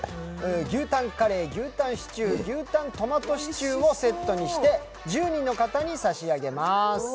牛たんカレー、牛たんシチュー、牛たんトマトシチューをセットにして１０名の方に差し上げます。